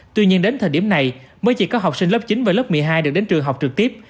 tuy nhiên đến thời điểm này mới chỉ có học sinh lớp chín và lớp một mươi hai được đến trường học trực tiếp